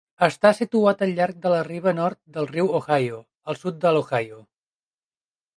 Està situat al llarg de la riba nord del riu Ohio, al sud de l'Ohio.